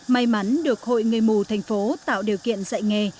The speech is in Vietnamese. may mắn được hội người mù thành phố tạo điều kiện dạy nghề